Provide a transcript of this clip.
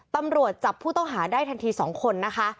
ตำรวจจับผู้ต้องหาได้ทันที๒คนนะคะ